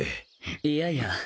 いやいや。